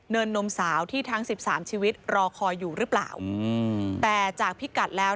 นนมสาวที่ทั้งสิบสามชีวิตรอคอยอยู่หรือเปล่าอืมแต่จากพิกัดแล้ว